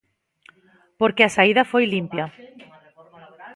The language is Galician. Porque a saída foi limpa.